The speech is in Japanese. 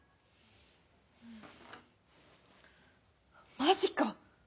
マジか！